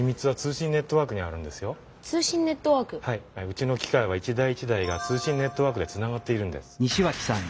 うちの機械は一台一台が通信ネットワークでつながっているんです。